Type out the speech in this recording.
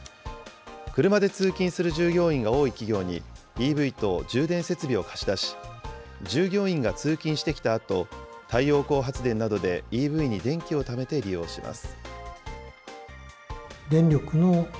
車で通勤する従業員が多い企業に、ＥＶと充電設備を貸し出し、従業員が通勤してきたあと、太陽光発電などでＥＶに電気をためて利用します。